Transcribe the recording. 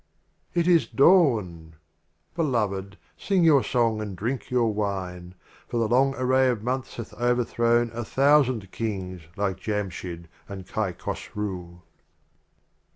IX A. It is dawn! Belov&d, sing your Song and drink your Wine; For the Long Array of Months hath overthrown A thousand Kings like Jamshyd and Kaikhosru.